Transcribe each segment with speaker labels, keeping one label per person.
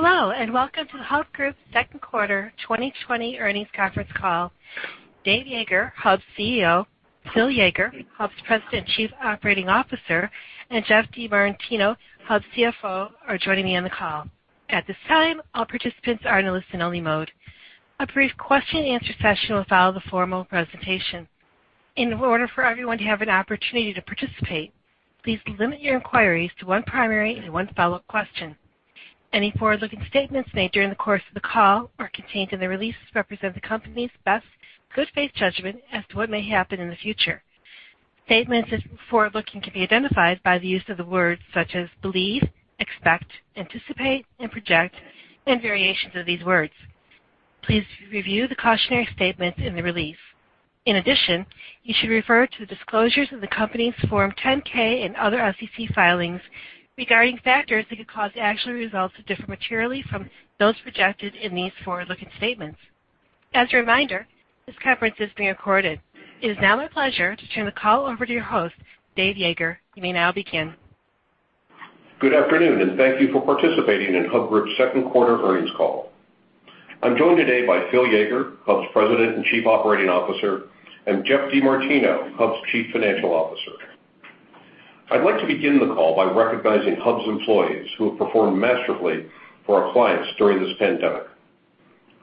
Speaker 1: Hello, welcome to the Hub Group second quarter 2020 earnings conference call. David Yeager, Hub's CEO; Phillip Yeager, Hub's President and Chief Operating Officer, and Geoff DeMartino, Hub's CFO, are joining me on the call. At this time, all participants are in a listen-only mode. A brief question and answer session will follow the formal presentation. In order for everyone to have an opportunity to participate, please limit your inquiries to one primary and one follow-up question. Any forward-looking statements made during the course of the call or contained in the release represent the company's best good faith judgment as to what may happen in the future. Statements that are forward-looking can be identified by the use of words such as "believe," "expect," "anticipate," and "project," and variations of these words. Please review the cautionary statements in the release. In addition, you should refer to the disclosures in the company's Form 10-K and other SEC filings regarding factors that could cause actual results to differ materially from those projected in these forward-looking statements. As a reminder, this conference is being recorded. It is now my pleasure to turn the call over to your host, Dave Yeager. You may now begin.
Speaker 2: Good afternoon. Thank you for participating in Hub Group's second quarter earnings call. I'm joined today by Phil Yeager, Hub's President and Chief Operating Officer, and Geoff DeMartino, Hub's Chief Financial Officer. I'd like to begin the call by recognizing Hub's employees who have performed masterfully for our clients during this pandemic.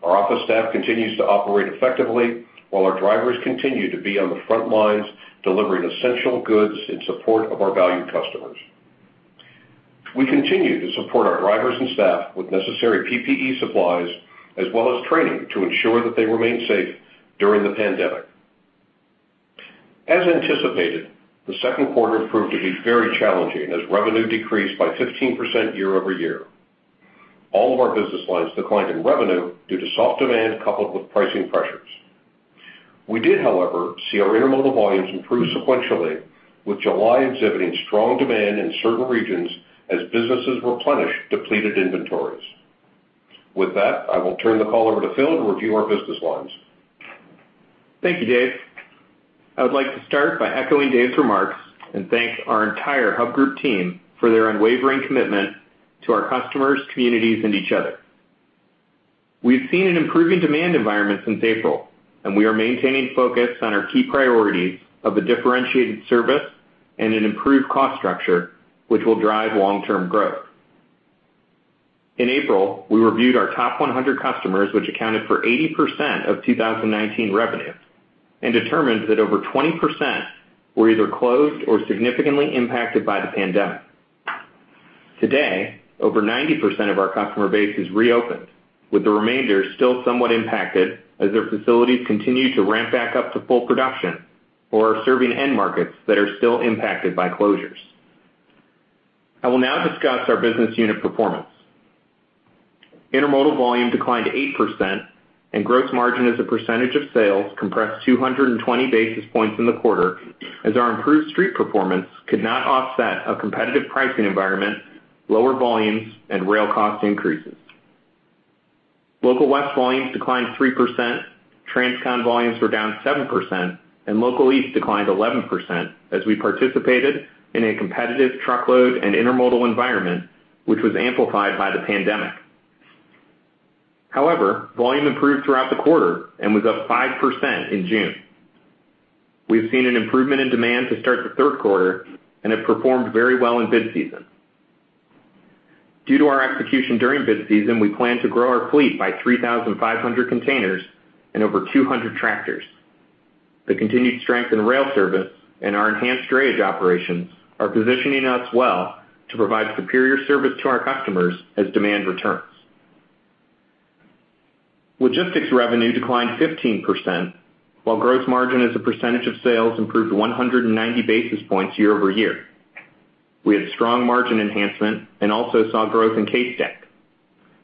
Speaker 2: Our office staff continues to operate effectively while our drivers continue to be on the front lines, delivering essential goods in support of our valued customers. We continue to support our drivers and staff with necessary PPE supplies, as well as training to ensure that they remain safe during the pandemic. As anticipated, the second quarter proved to be very challenging as revenue decreased by 15% year-over-year. All of our business lines declined in revenue due to soft demand coupled with pricing pressures. We did, however, see our intermodal volumes improve sequentially, with July exhibiting strong demand in certain regions as businesses replenished depleted inventories. With that, I will turn the call over to Phil to review our business lines.
Speaker 3: Thank you, Dave. I would like to start by echoing Dave's remarks and thank our entire Hub Group team for their unwavering commitment to our customers, communities, and each other. We've seen an improving demand environment since April, and we are maintaining focus on our key priorities of a differentiated service and an improved cost structure, which will drive long-term growth. In April, we reviewed our top 100 customers, which accounted for 80% of 2019 revenue, and determined that over 20% were either closed or significantly impacted by the pandemic. Today, over 90% of our customer base has reopened, with the remainder still somewhat impacted as their facilities continue to ramp back up to full production or are serving end markets that are still impacted by closures. I will now discuss our business unit performance. Intermodal volume declined 8%, and gross margin as a percentage of sales compressed 220 basis points in the quarter as our improved street performance could not offset a competitive pricing environment, lower volumes, and rail cost increases. Local West volumes declined 3%, Transcon volumes were down 7%, and Local East declined 11% as we participated in a competitive truckload and intermodal environment, which was amplified by the pandemic. Volume improved throughout the quarter and was up 5% in June. We've seen an improvement in demand to start the third quarter and have performed very well in bid season. Due to our execution during bid season, we plan to grow our fleet by 3,500 containers and over 200 tractors. The continued strength in rail service and our enhanced Drayage operations are positioning us well to provide superior service to our customers as demand returns. Logistics revenue declined 15%, while gross margin as a percentage of sales improved 190 basis points year-over-year. We had strong margin enhancement and also saw growth in CaseStack,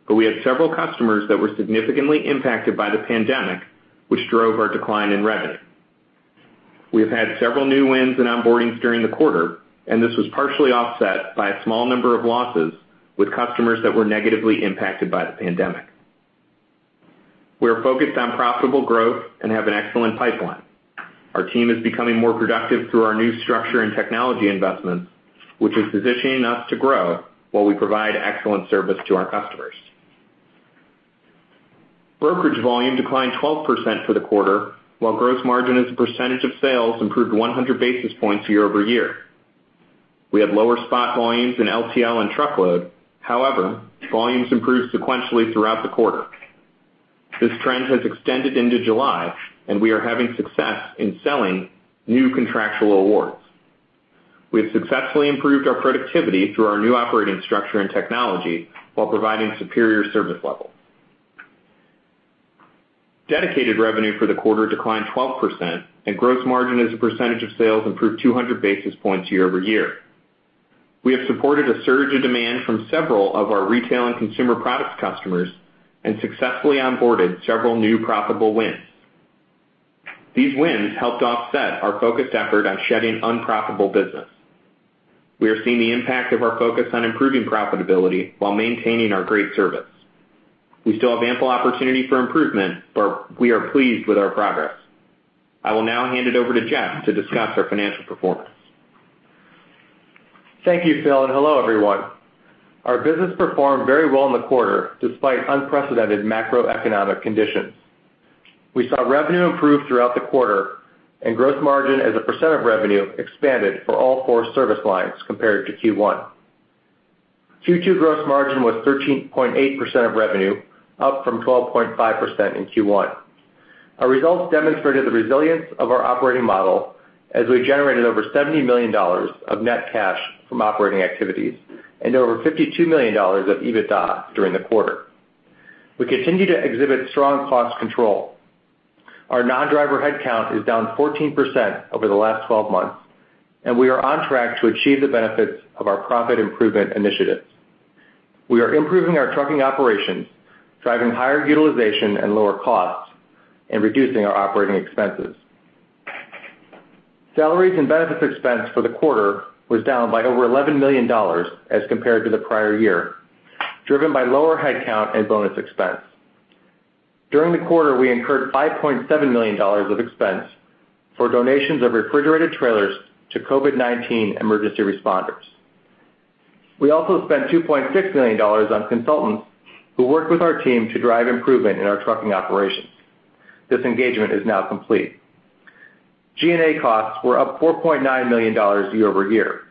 Speaker 3: but we had several customers that were significantly impacted by the pandemic, which drove our decline in revenue. We have had several new wins and onboardings during the quarter, and this was partially offset by a small number of losses with customers that were negatively impacted by the pandemic. We are focused on profitable growth and have an excellent pipeline. Our team is becoming more productive through our new structure and technology investments, which is positioning us to grow while we provide excellent service to our customers. Brokerage volume declined 12% for the quarter, while gross margin as a percentage of sales improved 100 basis points year-over-year. We had lower spot volumes in LTL and truckload. Volumes improved sequentially throughout the quarter. This trend has extended into July, and we are having success in selling new contractual awards. We have successfully improved our productivity through our new operating structure and technology while providing superior service levels. Dedicated revenue for the quarter declined 12%, and gross margin as a percentage of sales improved 200 basis points year-over-year. We have supported a surge of demand from several of our retail and consumer product customers and successfully onboarded several new profitable wins. These wins helped offset our focused effort on shedding unprofitable business. We are seeing the impact of our focus on improving profitability while maintaining our great service. We still have ample opportunity for improvement, but we are pleased with our progress. I will now hand it over to Geoff to discuss our financial performance.
Speaker 4: Thank you, Phil, and hello everyone. Our business performed very well in the quarter despite unprecedented macroeconomic conditions. We saw revenue improve throughout the quarter and gross margin as a percent of revenue expanded for all four service lines compared to Q1. Q2 gross margin was 13.8% of revenue, up from 12.5% in Q1. Our results demonstrated the resilience of our operating model as we generated over $70 million of net cash from operating activities and over $52 million of EBITDA during the quarter. We continue to exhibit strong cost control. Our non-driver headcount is down 14% over the last 12 months, and we are on track to achieve the benefits of our profit improvement initiatives. We are improving our trucking operations, driving higher utilization and lower costs, and reducing our operating expenses. Salaries and benefits expenses for the quarter were down by over $11 million as compared to the prior year, driven by lower headcount and bonus expense. During the quarter, we incurred $5.7 million of expense for donations of refrigerated trailers to COVID-19 emergency responders. We also spent $2.6 million on consultants who worked with our team to drive improvement in our trucking operations. This engagement is now complete. G&A costs were up $4.9 million year-over-year.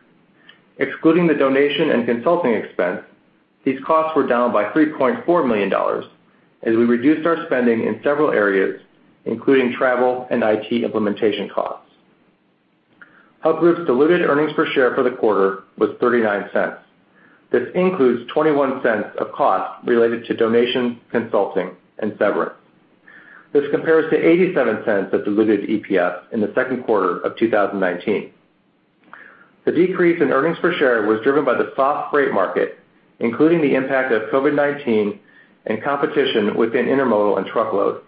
Speaker 4: Excluding the donation and consulting expense, these costs were down by $3.4 million as we reduced our spending in several areas, including travel and IT implementation costs. Hub Group's diluted earnings per share for the quarter were $0.39. This includes $0.21 of costs related to donations, consulting, and severance. This compares to $0.87 of diluted EPS in the second quarter of 2019. The decrease in earnings per share was driven by the soft freight market, including the impact of COVID-19 and competition within intermodal and truckload,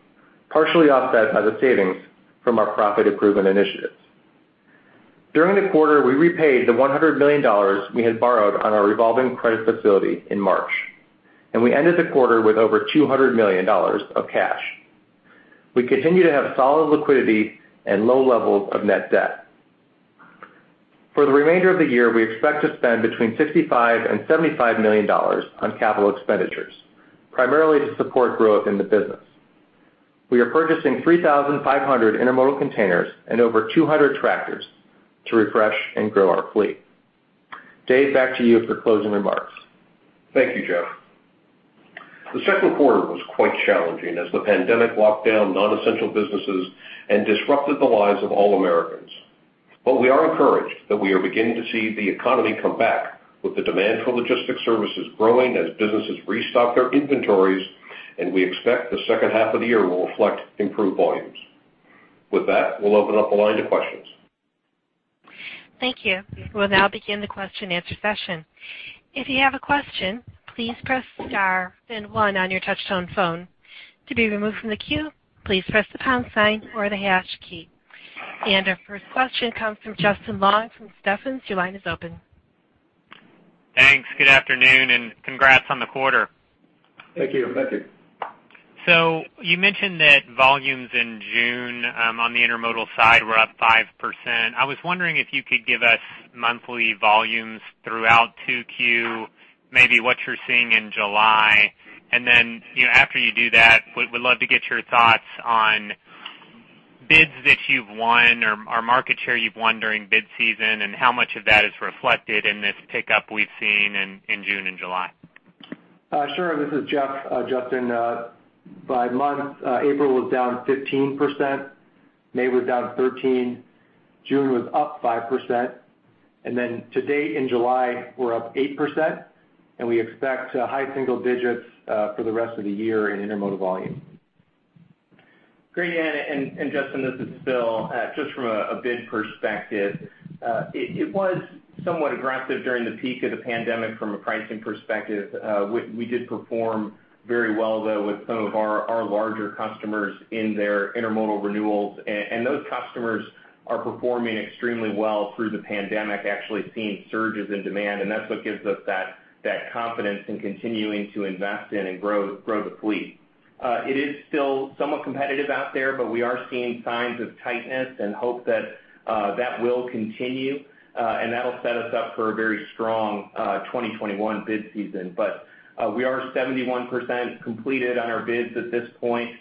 Speaker 4: partially offset by the savings from our profit improvement initiatives. During the quarter, we repaid the $100 million we had borrowed on our revolving credit facility in March, and we ended the quarter with over $200 million of cash. We continue to have solid liquidity and low levels of net debt. For the remainder of the year, we expect to spend between $65 million-$75 million on capital expenditures, primarily to support growth in the business. We are purchasing 3,500 intermodal containers and over 200 tractors to refresh and grow our fleet. Dave, back to you for closing remarks.
Speaker 2: Thank you, Geoff. We are encouraged that we are beginning to see the economy come back, with the demand for logistics services growing as businesses restock their inventories; we expect the second half of the year will reflect improved volumes. With that, we'll open up the line to questions.
Speaker 1: Thank you. We'll now begin the question and answer session. If you have a question, please press star, then one, on your touch-tone phone. To be removed from the queue, please press the pound sign or the hash key. Our first question comes from Justin Long from Stephens. Your line is open.
Speaker 5: Thanks. Good afternoon, and congrats on the quarter.
Speaker 3: Thank you.
Speaker 4: Thank you.
Speaker 5: You mentioned that volumes in June on the intermodal side were up 5%. I was wondering if you could give us monthly volumes throughout 2Q, maybe what you're seeing in July, and then after you do that, we would love to get your thoughts on bids that you've won or market share you've won during bid season and how much of that is reflected in this pickup we've seen in June and July.
Speaker 4: Sure. This is Geoff, Justin. By month, April was down 15%; May was down 13%; June was up 5%; and then to date in July, we're up 8%, and we expect high single digits for the rest of the year in intermodal volume.
Speaker 3: Great. Justin, this is Phil. Just from a bid perspective, it was somewhat aggressive during the peak of the pandemic from a pricing perspective. We did perform very well, though, with some of our larger customers in their intermodal renewals. Those customers are performing extremely well through the pandemic, actually seeing surges in demand, and that's what gives us that confidence in continuing to invest in and grow the fleet. It is still somewhat competitive out there; we are seeing signs of tightness and hope that that will continue. That'll set us up for a very strong 2021 bid season. We are 71% completed on our bids at this point.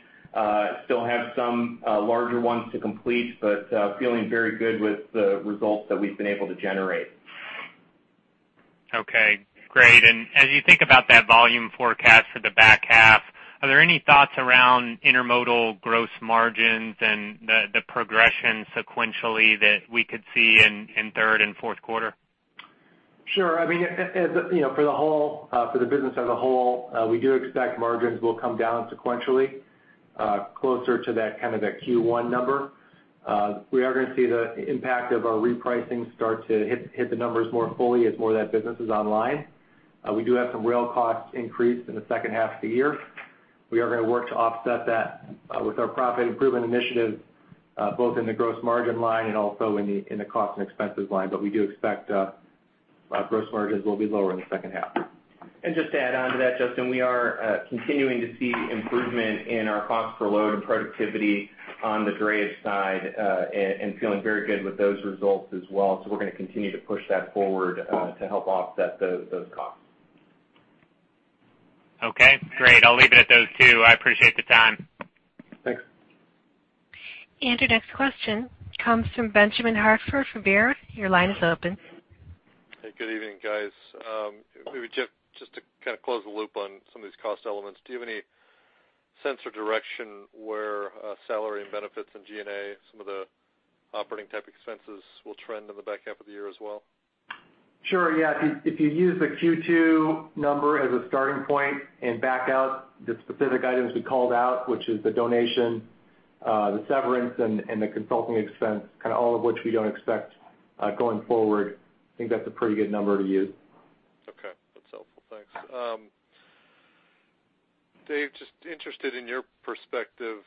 Speaker 3: Still have some larger ones to complete, feeling very good about the results that we've been able to generate.
Speaker 5: Okay. Great. As you think about that volume forecast for the back half, are there any thoughts around intermodal gross margins and the progression sequentially that we could see in the third and fourth quarters?
Speaker 4: Sure. For the business as a whole, we do expect margins will come down sequentially, closer to that Q1 number. We are going to see the impact of our repricing start to hit the numbers more fully as more of that business is online. We do have some rail cost increase in the second half of the year. We are going to work to offset that with our profit improvement initiative, both in the gross margin line and also in the cost and expenses line. We do expect our gross margins will be lower in the second half.
Speaker 3: Just to add on to that, Justin, we are continuing to see improvement in our cost per load and productivity on the drayage side, and feeling very good with those results as well. We're going to continue to push that forward to help offset those costs.
Speaker 5: Okay, great. I'll leave it at those two. I appreciate the time.
Speaker 3: Thanks.
Speaker 1: Your next question comes from Benjamin Hartford from Baird. Your line is open.
Speaker 6: Hey. Good evening, guys. Maybe just to close the loop on some of these cost elements, do you have any sense or direction where salary and benefits and G&A, some of the operating-type expenses, will trend in the back half of the year as well?
Speaker 4: Sure. If you use the Q2 number as a starting point and back out the specific items we called out, which is the donation, the severance, and the consulting expense, all of which we don't expect going forward, I think that's a pretty good number to use.
Speaker 6: Okay. That's helpful. Thanks. Dave, just interested in your perspective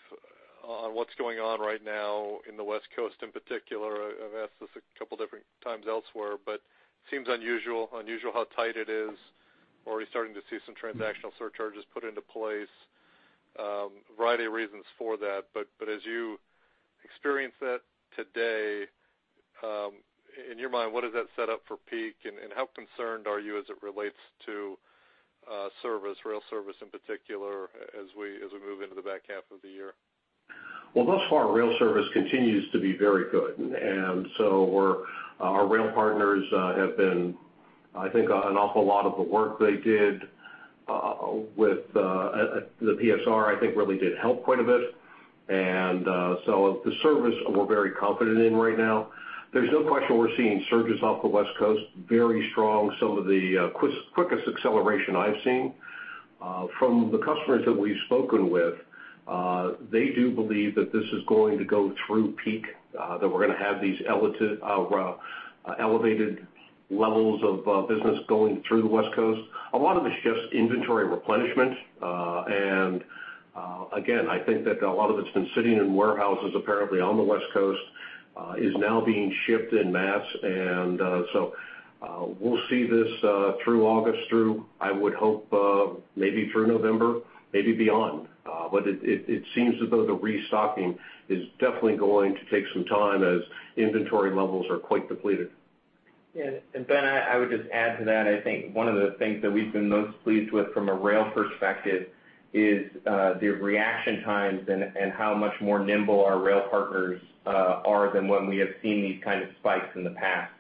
Speaker 6: on what's going on right now in the West Coast in particular. I've asked this a couple different times elsewhere, seems unusual how tight it is. Already starting to see some transactional surcharges put into place. A variety of reasons for that. As you experience that today, in your mind, what does that set up for Peak, and how concerned are you as it relates to service, rail service in particular, as we move into the back half of the year?
Speaker 2: Well, thus far, rail service continues to be very good. Our rail partners have been, I think, an awful lot of the work they did with the PSR, I think, really did help quite a bit. The service we're very confident in right now. There's no question we're seeing surges off the West Coast, very strong, some of the quickest acceleration I've seen. From the customers that we've spoken with, they do believe that this is going to go through a peak, that we're going to have these elevated levels of business going through the West Coast. A lot of it is just inventory replenishment. Again, I think that a lot of it's been sitting in warehouses, apparently on the West Coast, and is now being shipped en masse. We'll see this through August and, I would hope, maybe through November, maybe beyond. It seems as though the restocking is definitely going to take some time as inventory levels are quite depleted.
Speaker 3: Yeah. Ben, I would just add to that; I think one of the things that we've been most pleased with from a rail perspective is the reaction times and how much more nimble our rail partners are than when we have seen these kinds of spikes in the past.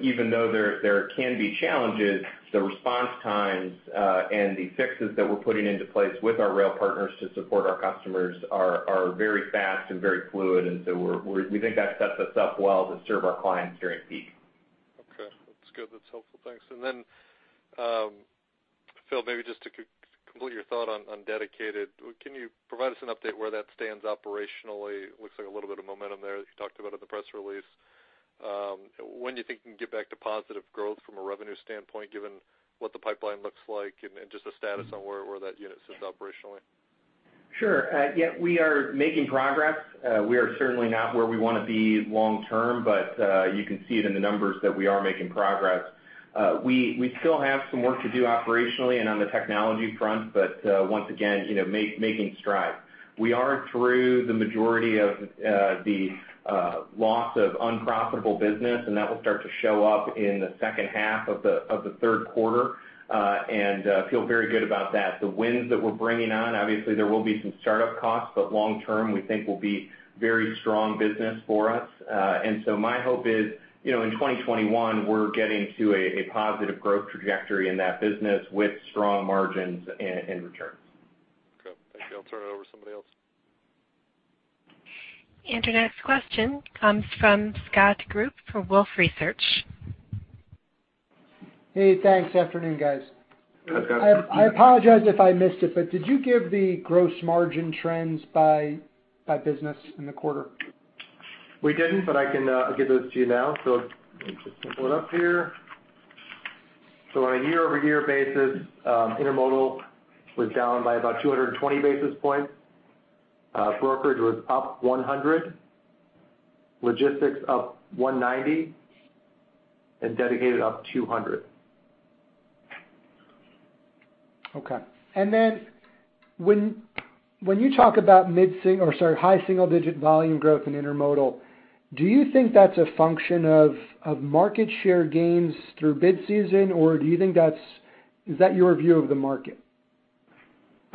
Speaker 3: Even though there can be challenges, the response times, and the fixes that we're putting into place with our rail partners to support our customers are very fast and very fluid. We think that sets us up well to serve our clients during peak.
Speaker 6: Okay. That's good. That's helpful. Thanks. Then, Phil, maybe just to complete your thought on Dedicated. Can you provide us an update on where that stands operationally? It looks like a little bit of momentum there, as you talked about in the press release. When do you think you can get back to positive growth from a revenue standpoint, given what the pipeline looks like and just a status on where that unit sits operationally?
Speaker 3: Sure. Yeah, we are making progress. We are certainly not where we want to be long-term; you can see it in the numbers that we are making progress. We still have some work to do operationally and on the technology front; once again, we are making strides. We are through the majority of the loss of unprofitable business; that will start to show up in the second half of the third quarter. We feel very good about that. The wins that we're bringing on, obviously, there will be some startup costs; long-term, we think it will be a very strong business for us. My hope is, in 2021, we're getting to a positive growth trajectory in that business with strong margins and returns.
Speaker 6: Okay. Thank you. I'll turn it over to somebody else.
Speaker 1: Your next question comes from Scott Group for Wolfe Research.
Speaker 7: Hey, thanks. Afternoon, guys.
Speaker 3: Hey, Scott.
Speaker 2: Good afternoon.
Speaker 7: I apologize if I missed it, but did you give the gross margin trends by business in the quarter?
Speaker 3: We didn't. I can give those to you now. Let me just pull it up here. On a year-over-year basis, Intermodal was down by about 220 basis points. Brokerage was up 100, Logistics up 190, and Dedicated up 200.
Speaker 7: Okay. When you talk about mid-single- or high-single-digit volume growth in Intermodal, do you think that's a function of market share gains through bid season, or is that your view of the market?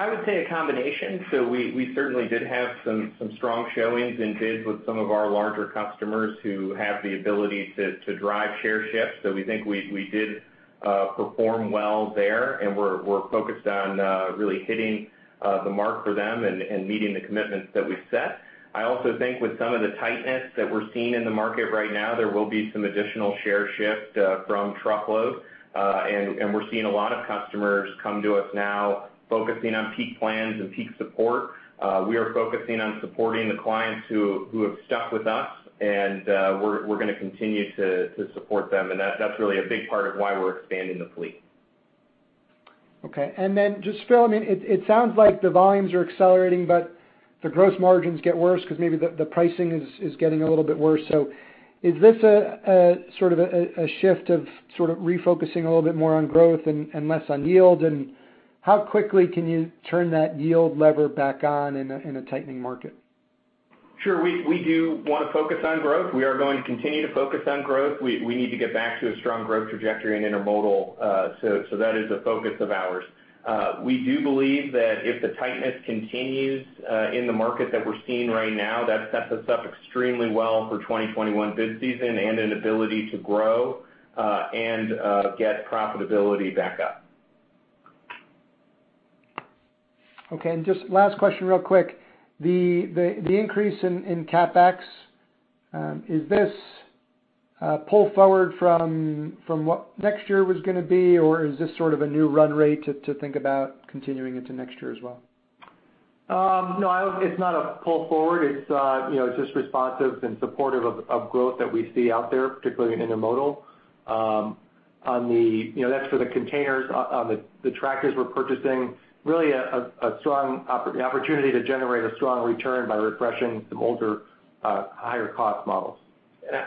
Speaker 3: I would say a combination. We certainly did have some strong showings in bids with some of our larger customers who have the ability to drive share shifts. We think we did perform well there, and we're focused on really hitting the mark for them and meeting the commitments that we've set. I also think with some of the tightness that we're seeing in the market right now, there will be some additional share shift from truckload. We're seeing a lot of customers come to us now focusing on peak plans and peak support. We are focusing on supporting the clients who have stuck with us, and we're going to continue to support them. That's really a big part of why we're expanding the fleet.
Speaker 7: Okay. Phil, it sounds like the volumes are accelerating, but the gross margins get worse because maybe the pricing is getting a little bit worse. Is this a shift of refocusing a little bit more on growth and less on yield? How quickly can you turn that yield lever back on in a tightening market?
Speaker 3: Sure. We do want to focus on growth. We are going to continue to focus on growth. We need to get back to a strong growth trajectory in intermodal. That is a focus of ours. We do believe that if the tightness continues in the market that we're seeing right now, that sets us up extremely well for the 2021 bid season and an ability to grow and get profitability back up.
Speaker 7: Okay. Just one last question real quick. The increase in CapEx, is this a pull forward from what next year was going to be, or is this sort of a new run rate to think about continuing into next year as well?
Speaker 3: No, it's not a pull forward. It's just responsive and supportive of growth that we see out there, particularly in intermodal. That's for the containers. On the tractors we're purchasing, there's really the opportunity to generate a strong return by refreshing some older, higher-cost models.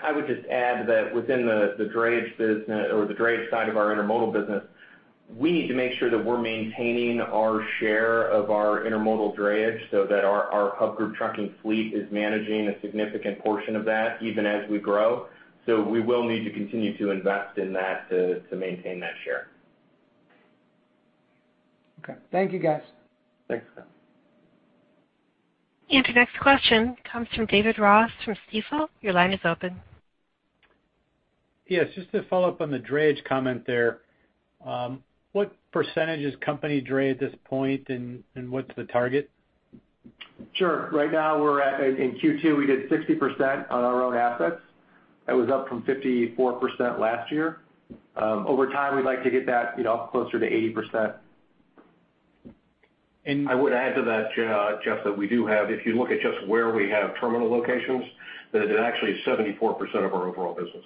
Speaker 4: I would just add that within the Drayage side of our intermodal business, we need to make sure that we're maintaining our share of our Intermodal Drayage so that our Hub Group trucking fleet is managing a significant portion of that, even as we grow. We will need to continue to invest in that to maintain that share.
Speaker 7: Okay. Thank you, guys.
Speaker 2: Thanks Scott.
Speaker 1: Your next question comes from David Ross from Stifel. Your line is open.
Speaker 8: Yes, just to follow up on the drayage comment there, what percentage is company dray at this point, and what's the target?
Speaker 4: Sure. Right now, in Q2, we did 60% on our own assets. That was up from 54% last year. Over time, we'd like to get that up closer to 80%.
Speaker 3: I would add to that, Geoff, that if you look at just where we have terminal locations, that is actually 74% of our overall business.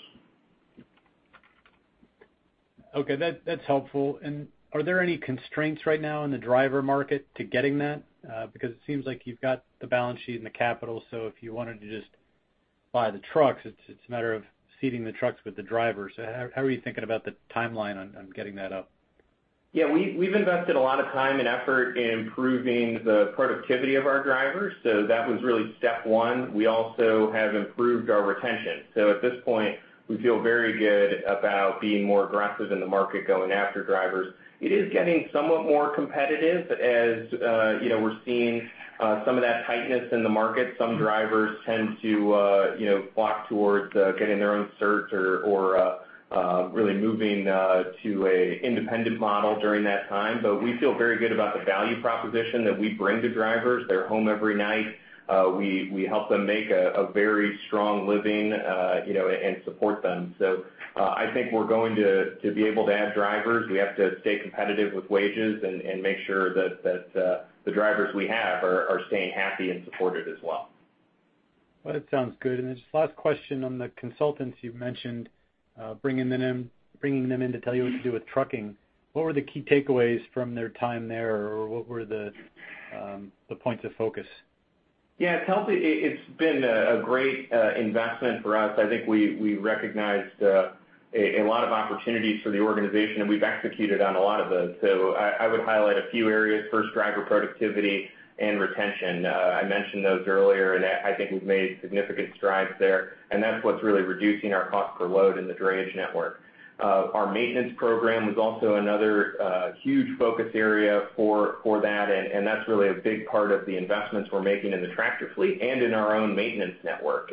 Speaker 8: Okay. That's helpful. Are there any constraints right now in the driver market to getting that? It seems like you've got the balance sheet and the capital, so if you wanted to just buy the trucks, it's a matter of seeding the trucks with the drivers. How are you thinking about the timeline on getting that up?
Speaker 3: Yeah. We've invested a lot of time and effort in improving the productivity of our drivers. That was really step one. We also have improved our retention. At this point, we feel very good about being more aggressive in the market, going after drivers. It is getting somewhat more competitive as we're seeing some of that tightness in the market. Some drivers tend to flock towards getting their own certs or really moving to an independent model during that time. We feel very good about the value proposition that we bring to drivers. They're home every night. We help them make a very strong living and support them. I think we're going to be able to add drivers. We have to stay competitive with wages and make sure that the drivers we have are staying happy and supported as well.
Speaker 8: Well, that sounds good. Just one last question on the consultants you've mentioned, bringing them in to tell you what to do with trucking. What were the key takeaways from their time there, or what were the points of focus?
Speaker 3: Yeah. It's been a great investment for us. I think we recognized a lot of opportunities for the organization, and we've executed on a lot of those. I would highlight a few areas. First, driver productivity and retention. I mentioned those earlier, and I think we've made significant strides there, and that's what's really reducing our cost per load in the drayage network. Our maintenance program was also another huge focus area for that, and that's really a big part of the investments we're making in the tractor fleet and in our own maintenance network.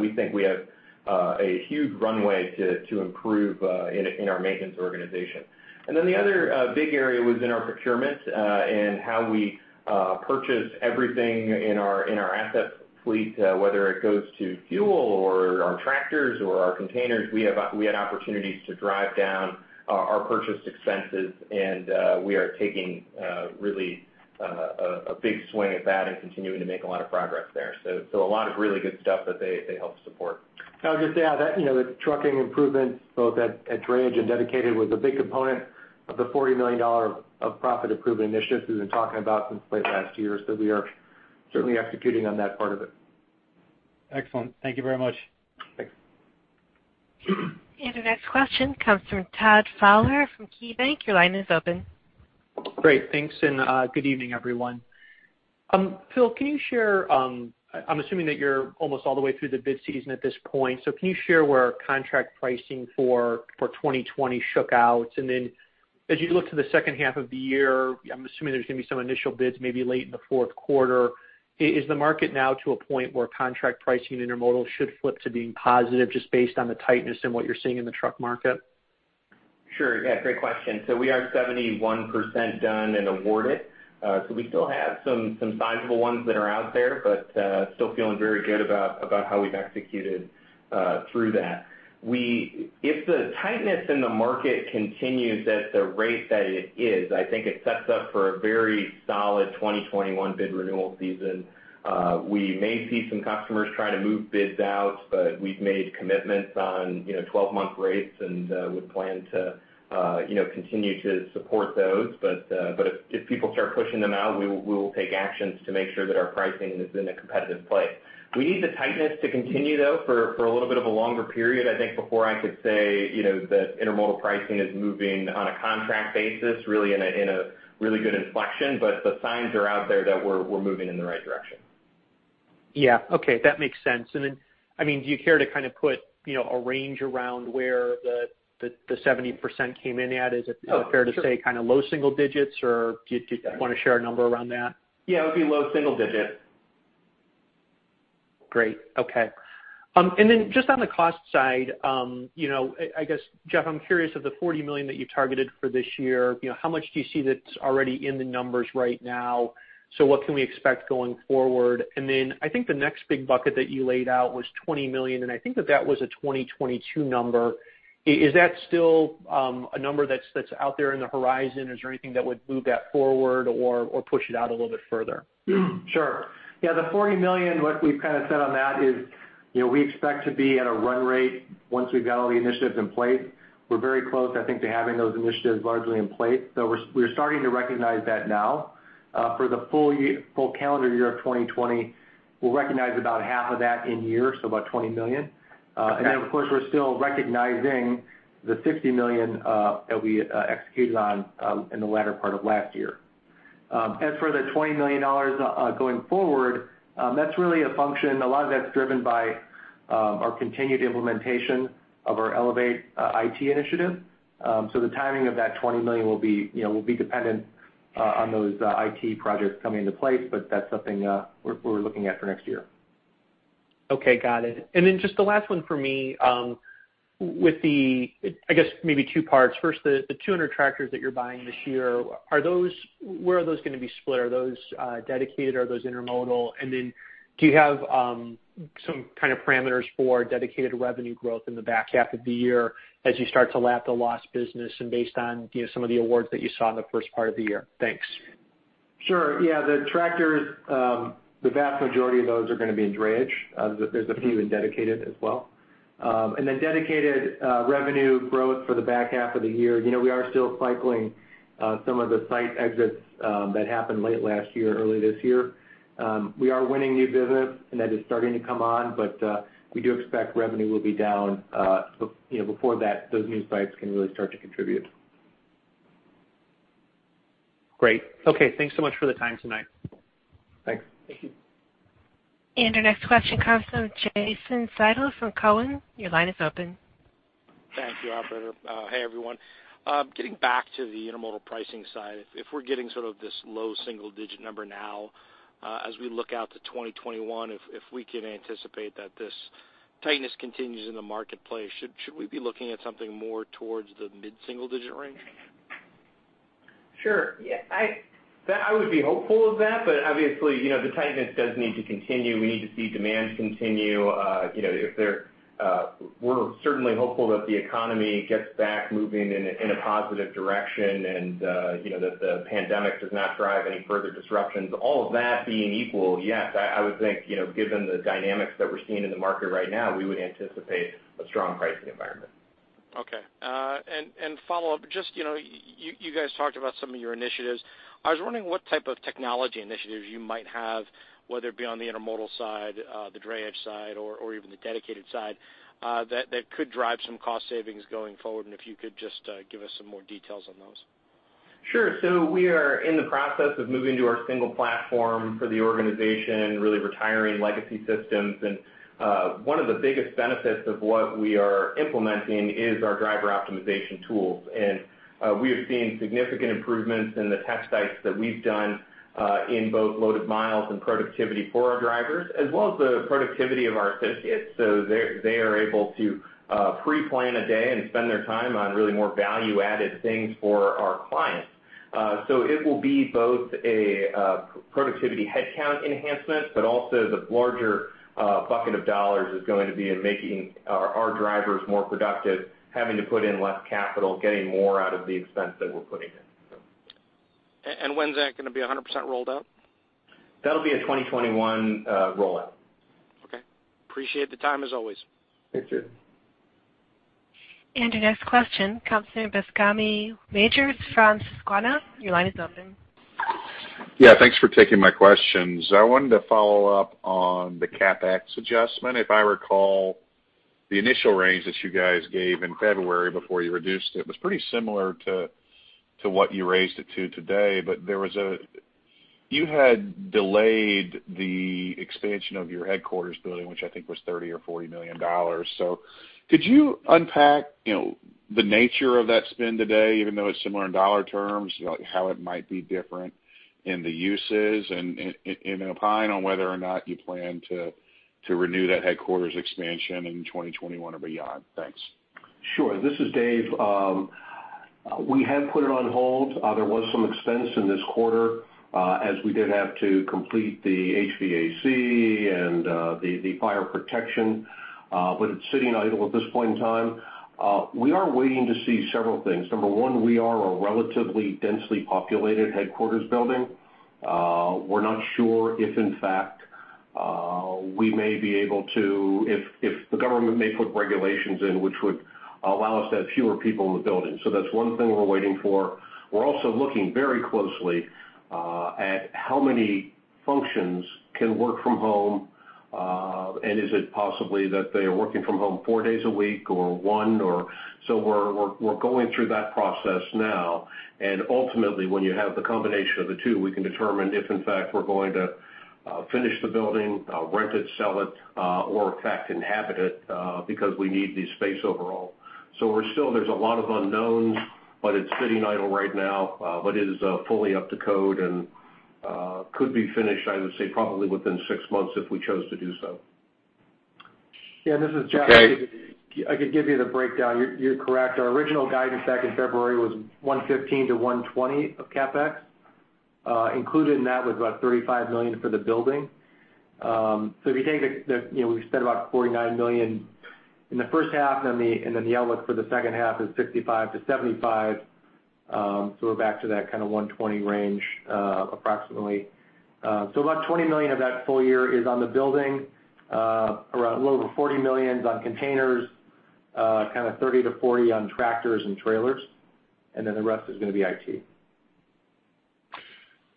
Speaker 3: We think we have a huge runway to improve in our maintenance organization. The other big area was in our procurement and how we purchase everything in our asset fleet, whether it goes to fuel or our tractors or our containers. We had opportunities to drive down our purchase expenses, and we are taking really a big swing at that and continuing to make a lot of progress there. A lot of really good stuff that they help support.
Speaker 4: I would just add that the trucking improvements, both at drayage and dedicated, were a big component of the $40 million of profit improvement initiatives we've been talking about for the last few years. We are certainly executing on that part of it.
Speaker 8: Excellent. Thank you very much.
Speaker 4: Thanks.
Speaker 1: The next question comes from Todd Fowler from KeyBanc. Your line is open.
Speaker 9: Great. Thanks, and good evening, everyone. Phil, I'm assuming that you're almost all the way through the bid season at this point. Can you share where contract pricing for 2020 shook out? As you look to the second half of the year, I'm assuming there's going to be some initial bids maybe late in the fourth quarter. Is the market now to a point where contract pricing intermodal should flip to being positive just based on the tightness and what you're seeing in the truck market?
Speaker 3: Sure. Yeah, great question. We are 71% done and awarded. We still have some sizable ones that are out there, but we're still feeling very good about how we've executed through that. If the tightness in the market continues at the rate that it is, I think it sets up for a very solid 2021 bid renewal season. We may see some customers try to move bids out, but we've made commitments on 12-month rates, and we plan to continue to support those. If people start pushing them out, we will take actions to make sure that our pricing is in a competitive place. We need the tightness to continue, though, for a little bit of a longer period, I think, before I could say that intermodal pricing is moving on a contract basis really in a good direction. The signs are out there that we're moving in the right direction.
Speaker 9: Yeah. Okay. That makes sense. Do you care to put a range around where the 70% came in at?
Speaker 3: Oh, sure.
Speaker 9: Is it fair to say low single digits, or do you want to share a number around that?
Speaker 3: Yeah, it would be low single digits.
Speaker 9: Great. Okay. Just on the cost side, I guess, Geoff, I'm curious about the $40 million that you targeted for this year; how much do you see that's already in the numbers right now? What can we expect going forward? I think the next big bucket that you laid out was $20 million, and I think that that was a 2022 number. Is that still a number that's out there on the horizon? Is there anything that would move that forward or push it out a little bit further?
Speaker 4: Sure. Yeah, the $40 million; what we've said on that is we expect to be at a run rate once we've got all the initiatives in place. We're very close, I think, to having those initiatives largely in place. So we're starting to recognize that now. For the full calendar year of 2020, we'll recognize about half of that in-year, so about $20 million.
Speaker 9: Okay.
Speaker 4: Of course, we're still recognizing the $60 million that we executed on in the latter part of last year. As for the $20 million going forward, that's really a function. A lot of that's driven by our continued implementation of our Elevate IT initiative. The timing of that $20 million will be dependent on those IT projects coming into place, but that's something we're looking at for next year.
Speaker 9: Okay, got it. Just the last one for me. I guess maybe two parts. First, the 200 tractors that you're buying this year, where are those going to be split? Are those dedicated? Are those intermodal? Do you have some kind of parameters for dedicated revenue growth in the back half of the year as you start to lap the lost business and are they based on some of the awards that you saw in the first part of the year? Thanks.
Speaker 4: Sure, yeah. The tractors, the vast majority of those are going to be in drayage. There are a few dedicated as well. Dedicated revenue growth for the back half of the year. We are still cycling through some of the site exits that happened late last year and early this year. We are winning new business, and that is starting to come on, but we do expect revenue will be down before those new sites can really start to contribute.
Speaker 9: Great. Okay. Thanks so much for the time tonight.
Speaker 4: Thanks.
Speaker 3: Thank you.
Speaker 1: Our next question comes from Jason Seidl from Cowen. Your line is open.
Speaker 10: Thank you, operator. Hey, everyone. Getting back to the intermodal pricing side, if we're getting sort of this low single-digit number now, as we look out to 2021, if we can anticipate that this tightness continues in the marketplace, should we be looking at something more towards the mid-single-digit range?
Speaker 3: Sure. I would be hopeful of that, but obviously, the tightness does need to continue. We need to see demand continue. We're certainly hopeful that the economy gets back moving in a positive direction and that the pandemic does not drive any further disruptions. All of that being equal, yes, I would think, given the dynamics that we're seeing in the market right now, we would anticipate a strong pricing environment.
Speaker 10: Okay. Follow-up: just you guys talked about some of your initiatives. I was wondering what type of technology initiatives you might have, whether it be on the intermodal side, the drayage side, or even the dedicated side, that could drive some cost savings going forward, and if you could just give us some more details on those.
Speaker 3: Sure. We are in the process of moving to our single platform for the organization, really retiring legacy systems. One of the biggest benefits of what we are implementing is our driver optimization tools. We have seen significant improvements in the test sites that we've done in both loaded miles and productivity for our drivers, as well as the productivity of our associates. They are able to pre-plan a day and spend their time on really more value-added things for our clients. It will be both a productivity headcount enhancement, but also the larger bucket of dollars is going to be in making our drivers more productive, having to put in less capital, getting more out of the expense that we're putting in.
Speaker 10: When's that going to be 100% rolled out?
Speaker 3: That'll be a 2021 rollout.
Speaker 10: Okay. Appreciate the time as always.
Speaker 3: Thank you.
Speaker 1: Your next question comes from Bascome Majors from Susquehanna. Your line is open.
Speaker 11: Yeah, thanks for taking my questions. I wanted to follow up on the CapEx adjustment. If I recall, the initial range that you guys gave in February before you reduced it was pretty similar to what you raised it to today. You had delayed the expansion of your headquarters building, which I think was $30 million or $40 million. Could you unpack the nature of that spend today, even though it's similar in dollar terms, how it might be different in the uses, and an opine on whether or not you plan to renew that headquarters expansion in 2021 or beyond? Thanks.
Speaker 2: Sure. This is Dave. We have put it on hold. There was some expense in this quarter as we did have to complete the HVAC and the fire protection, but it's sitting idle at this point in time. We are waiting to see several things. Number one, we are a relatively densely populated headquarters building. We're not sure if, in fact, we may be able to if the government may put regulations in place which would allow us to have fewer people in the building. That's one thing we're waiting for. We're also looking very closely at how many functions can work from home. Is it possibly that they are working from home four days a week or one? We're going through that process now, and ultimately, when you have the combination of the two, we can determine if, in fact, we're going to finish the building, rent it, sell it, or inhabit it because we need the space overall. There are a lot of unknowns, but it's sitting idle right now. It is fully up to code and could be finished, I would say, probably within six months if we chose to do so.
Speaker 4: Yeah. This is Geoff.
Speaker 11: Okay.
Speaker 4: I could give you the breakdown. You are correct. Our original guidance back in February was $115 million-$120 million of CapEx. Included in that was about $35 million for the building. If you take the $49 million we spent in the first half, the outlook for the second half is $65 million-$75 million. We are back to that kind of $120 million range, approximately. About $20 million of that full year is on the building, a little over $40 million on containers, and kind of $30 million-$40 million on tractors and trailers; the rest is going to be IT.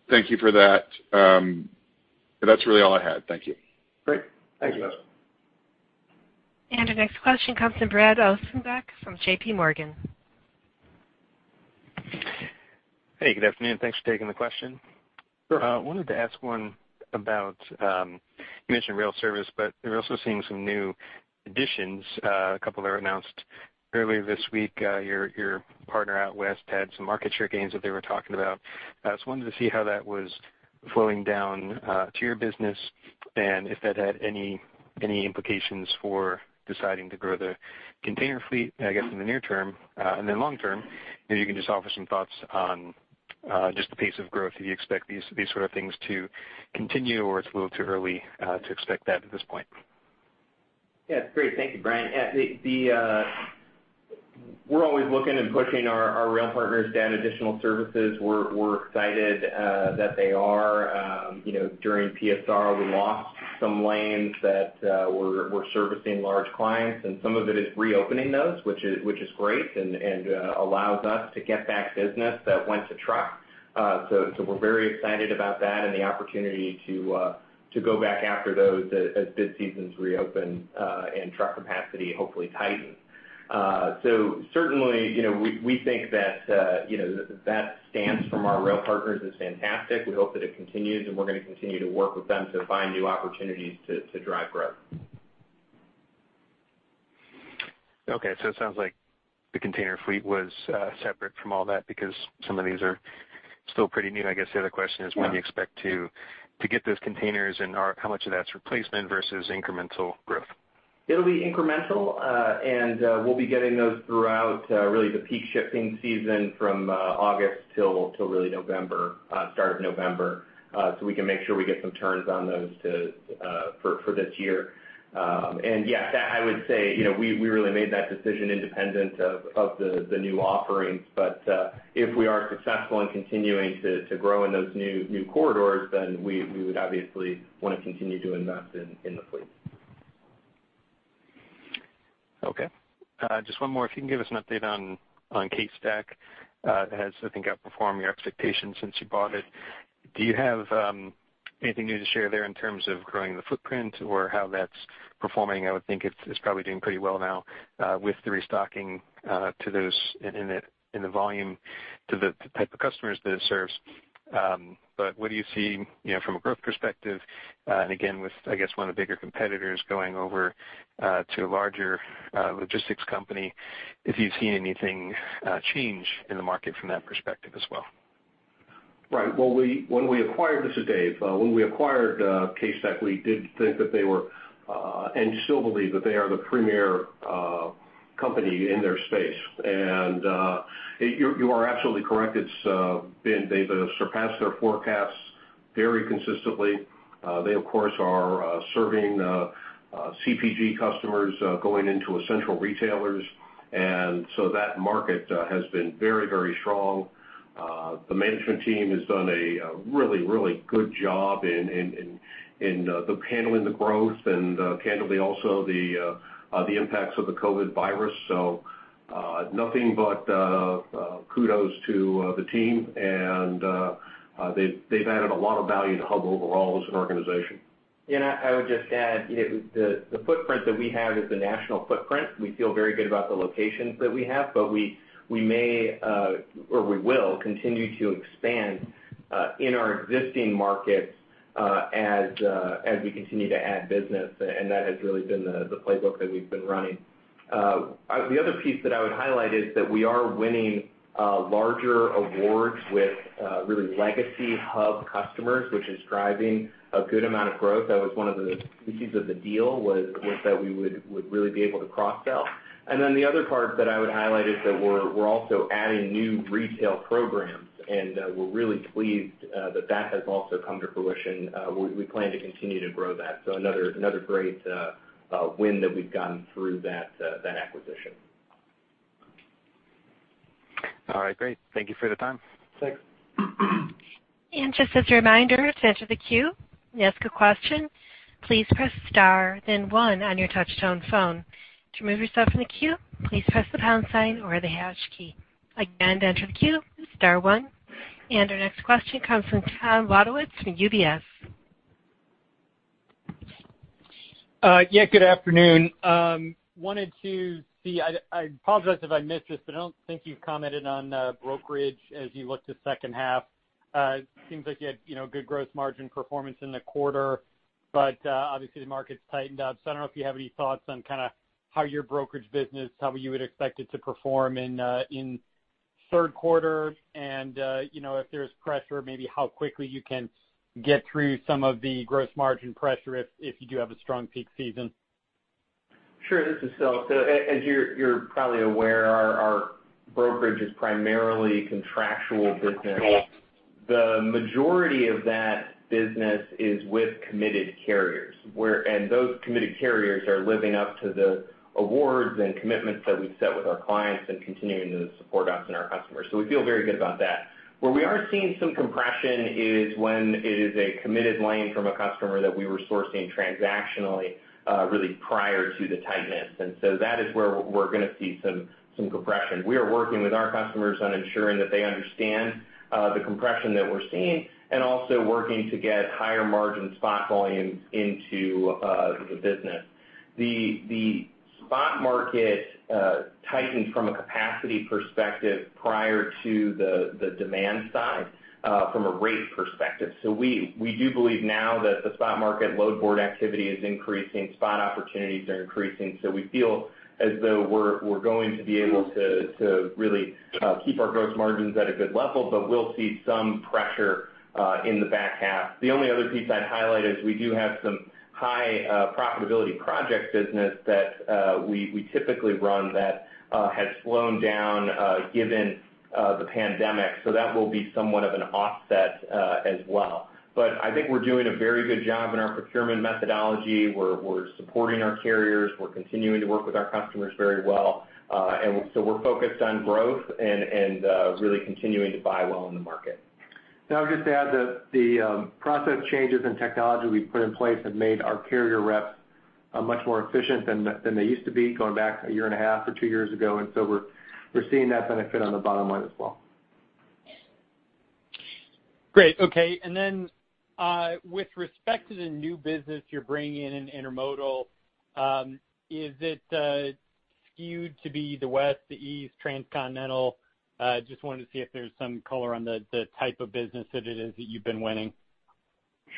Speaker 11: Thank you for that. That's really all I had. Thank you.
Speaker 3: Great. Thanks, guys.
Speaker 1: Our next question comes from Brian Ossenbeck from JPMorgan.
Speaker 12: Hey, good afternoon. Thanks for taking the question.
Speaker 2: Sure.
Speaker 12: I wanted to ask one about it; you mentioned rail service, but we're also seeing some new additions. A couple that was announced earlier this week. Your partner out west had some market share gains that they were talking about. I just wanted to see how that was flowing down to your business and if that had any implications for deciding to grow the container fleet, I guess, in the near term, and then long term, maybe you can just offer some thoughts on just the pace of growth. Do you expect these sorts of things to continue, or is it a little too early to expect that at this point?
Speaker 3: Yeah. Great. Thank you, Brian. We're always looking and pushing our rail partners to add additional services. We're excited that they are. During PSR, we lost some lanes that were servicing large clients, and some of it is reopening those, which is great and allows us to get back business that went to trucks. We're very excited about that and the opportunity to go back after those bid seasons reopen and truck capacity hopefully tightens. Certainly, we think that that stance from our rail partners is fantastic. We hope that it continues, and we're going to continue to work with them to find new opportunities to drive growth.
Speaker 12: Okay. It sounds like the container fleet was separate from all that because some of these are still pretty new. I guess the other question is when do you expect to get those containers, and how much of that's replacement versus incremental growth?
Speaker 3: It'll be incremental, and we'll be getting those throughout really the peak shipping season from August till really November, start of November. We can make sure we get some turns on those for this year. Yeah, I would say we really made that decision independent of the new offerings. If we are successful in continuing to grow in those new corridors, then we would obviously want to continue to invest in the fleet.
Speaker 12: Okay. Just one more. If you can give us an update on CaseStack. It has, I think, outperformed your expectations since you bought it. Do you have anything new to share there in terms of growing the footprint or how that's performing? I would think it's probably doing pretty well now with the restocking of those in the volume of the type of customers that it serves. What do you see from a growth perspective? Again, with, I guess, one of the bigger competitors going over to a larger logistics company, have you seen anything change in the market from that perspective as well?
Speaker 2: Right. This is Dave. When we acquired CaseStack, we did think that they were, and still believe that they are, the premier company in their space. You are absolutely correct. They've surpassed their forecasts very consistently. They, of course, are serving CPG customers going into essential retailers. That market has been very, very strong. The management team has done a really, really good job in handling the growth and candidly also the impacts of the COVID virus. Nothing but kudos to the team. They've added a lot of value to Hub overall as an organization.
Speaker 3: I would just add that the footprint that we have is the national footprint. We feel very good about the locations that we have, but we may or we will continue to expand in our existing markets as we continue to add business. That has really been the playbook that we've been running. The other piece that I would highlight is that we are winning larger awards with really legacy Hub customers, which is driving a good amount of growth. That was one of the pieces of the deal: we would really be able to cross-sell. The other part that I would highlight is that we're also adding new retail programs, and we're really pleased that that has also come to fruition. We plan to continue to grow that. Another great win that we've gotten through that acquisition.
Speaker 12: All right. Great. Thank you for the time.
Speaker 3: Thanks.
Speaker 1: Just as a reminder, to enter the queue and ask a question, please press star then one on your touch-tone phone. To remove yourself from the queue, please press the pound sign or the hash key. Again, to enter the queue, star one. Our next question comes from Tom Wadewitz from UBS.
Speaker 13: Yeah, good afternoon. I apologize if I missed this; I don't think you've commented on brokerage as you look to the second half. It seems like you had good gross margin performance in the quarter; obviously, the market's tightened up. I don't know if you have any thoughts on how your brokerage business would perform in the third quarter and, if there's pressure, maybe how quickly you can get through some of the gross margin pressure if you do have a strong peak season.
Speaker 3: Sure. This is Phil. As you're probably aware, our brokerage is primarily contractual business. The majority of that business is with committed carriers, and those committed carriers are living up to the awards and commitments that we've set with our clients and continuing to support us and our customers. We feel very good about that. Where we are seeing some compression is when it is a committed lane from a customer that we were sourcing transactionally really prior to the tightness. That is where we're going to see some compression. We are working with our customers on ensuring that they understand the compression that we're seeing and also working to get higher-margin spot volume into the business. The spot market tightened from a capacity perspective prior to the demand side from a rate perspective. We do believe now that the spot market load board activity is increasing; spot opportunities are increasing. We feel as though we're going to be able to really keep our gross margins at a good level, but we'll see some pressure in the back half. The only other piece I'd highlight is we do have some high-profitability project business that we typically run that has slowed down given the pandemic. That will be somewhat of an offset as well. I think we're doing a very good job in our procurement methodology. We're supporting our carriers. We're continuing to work with our customers very well. We're focused on growth and really continuing to buy well in the market.
Speaker 4: Now I'll just add that the process changes and technology we've put in place have made our carrier reps much more efficient than they used to be, going back a year and a half or two years ago. We're seeing that benefit on the bottom line as well.
Speaker 13: Great. Okay. With respect to the new business you're bringing in intermodal, is it skewed to be the west, the east, or transcontinental? Just wanted to see if there's some color on the type of business that it is that you've been winning.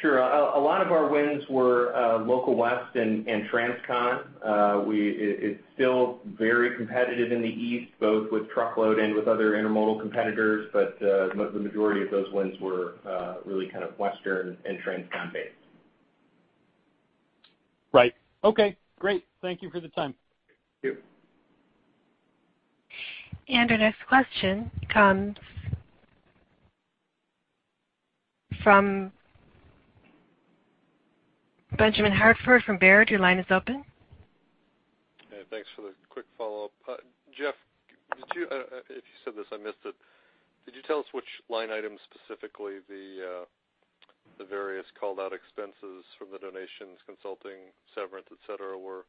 Speaker 3: Sure. A lot of our wins were Local West and Transcon. It's still very competitive in the east, both with truckload and with other intermodal competitors. The majority of those wins were really kind of western and Transcon-based.
Speaker 13: Right. Okay, great. Thank you for the time.
Speaker 3: Thank you.
Speaker 1: Our next question comes from Benjamin Hartford from Baird. Your line is open.
Speaker 6: Yeah, thanks for the quick follow-up. Geoff, if you said this, I missed it. Did you tell us which line items specifically the various called-out expenses from the donations, consulting, severance, et cetera, were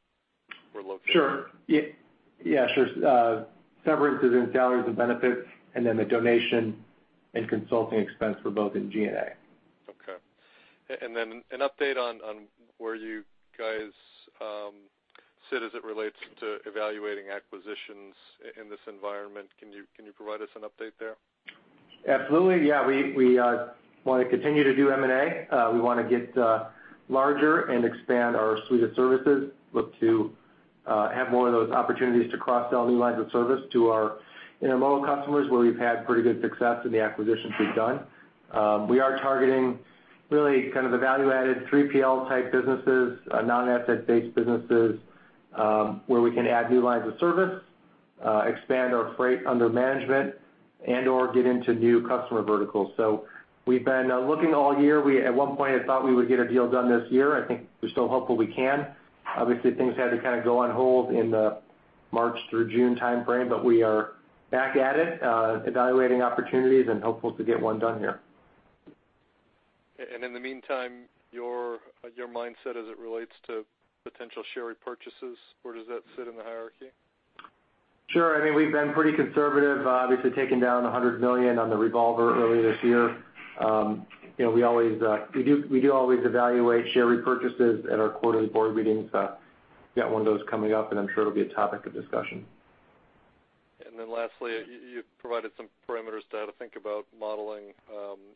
Speaker 6: located?
Speaker 4: Sure. Yeah. Severance is in salaries and benefits, and then the donation and consulting expenses were both in G&A.
Speaker 6: Okay. Then an update on where you guys sit as it relates to evaluating acquisitions in this environment. Can you provide us an update there?
Speaker 4: Absolutely, yeah. We want to continue to do M&A. We want to get larger and expand our suite of services, looking to have more of those opportunities to cross-sell new lines of service to our intermodal customers, where we've had pretty good success in the acquisitions we've done. We are targeting really the value-added 3PL type businesses, non-asset-based businesses, where we can add new lines of service, expand our freight under management, and/or get into new customer verticals. We've been looking all year. At one point, I thought we would get a deal done this year. I think we're still hopeful we can. Obviously, things had to kind of go on hold in the March through June timeframe, but we are back at it, evaluating opportunities, and hopeful to get one done here.
Speaker 6: In the meantime, your mindset as it relates to potential share repurchases, where does that sit in the hierarchy?
Speaker 4: Sure. I mean, we've been pretty conservative, obviously taking down $100 million on the revolver early this year. We do always evaluate share repurchases at our quarterly board meetings. Got one of those coming up, and I'm sure it'll be a topic of discussion.
Speaker 6: Lastly, you provided some parameters to think about modeling some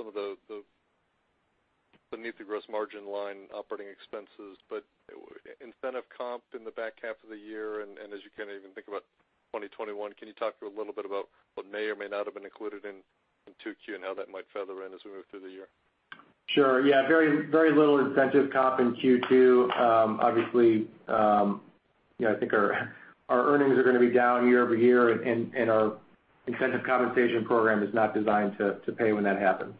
Speaker 6: of the operating expenses beneath the gross margin line. Incentive comp in the back half of the year, and as you kind of even think about 2021, can you talk a little bit about what may or may not have been included in 2Q and how that might feather in as we move through the year?
Speaker 4: Sure, yeah. Very little incentive comp in Q2. Obviously, I think our earnings are going to be down year-over-year, and our incentive compensation program is not designed to pay when that happens.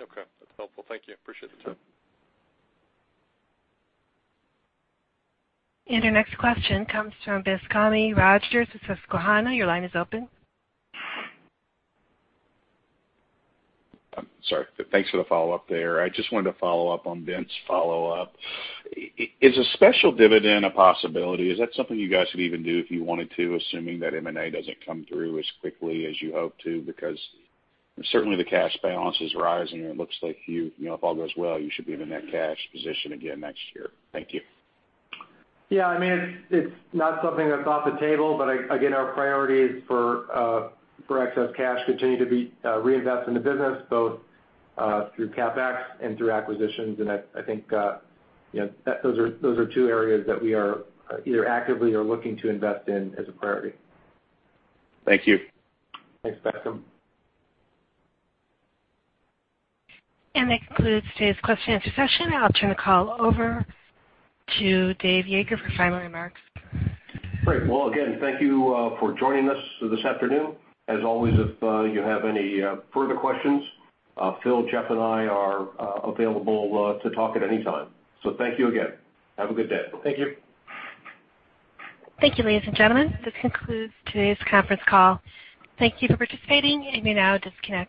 Speaker 6: Okay. That's helpful. Thank you. Appreciate the time.
Speaker 1: Our next question comes from Bascome Majors, Susquehanna. Your line is open.
Speaker 11: Sorry. Thanks for the follow-up there. I just wanted to follow up on Ben's follow-up. Is a special dividend a possibility? Is that something you guys could even do if you wanted to, assuming that M&A doesn't come through as quickly as you hope to? Because certainly the cash balance is rising, and it looks like if all goes well, you should be in a net cash position again next year. Thank you.
Speaker 4: Yeah, I mean, it's not something that's off the table, but again, our priorities for excess cash continue to be reinvesting in the business, both through CapEx and through acquisitions. I think those are two areas that we are either actively or looking to invest in as a priority.
Speaker 11: Thank you.
Speaker 4: Thanks, Bascome.
Speaker 1: That concludes today's question and answer session. I'll turn the call over to David Yeager for final remarks.
Speaker 2: Great. Well, again, thank you for joining us this afternoon. As always, if you have any further questions, Phil, Goeff, and I are available to talk at any time. Thank you again. Have a good day.
Speaker 3: Thank you.
Speaker 1: Thank you, ladies and gentlemen. This concludes today's conference call. Thank you for participating. You may now disconnect.